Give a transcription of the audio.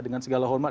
dengan segala hormat